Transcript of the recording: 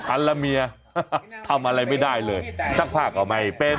อันละเมียทำอะไรไม่ได้เลยซักผ้าก็ไม่เป็น